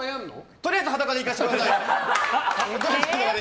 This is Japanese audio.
とりあえずいかせてください。